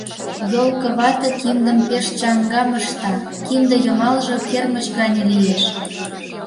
Йолко вате киндым пеш чаҥгам ышта, кинде йымалже кермыч гане лиеш.